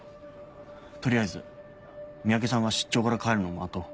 取りあえず三宅さんが出張から帰るのを待とう。